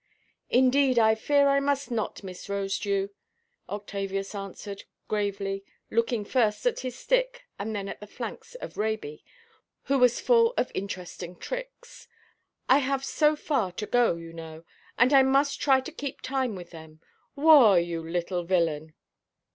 "Indeed, I fear I must not, Miss Rosedew," Octavius answered, gravely, looking first at his stick, and then at the flanks of Ræby, who was full of interesting tricks; "I have so far to go, you know, and I must try to keep time with them.—Whoa, you little villain!"